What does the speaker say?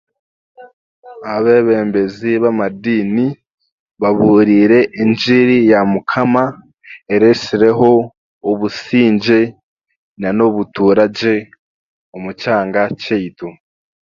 Abeebembezi b'amadiini baaburiire engiri ya mukama ereesireho obusingye nan'obutuura gye omu kyanga kyaitu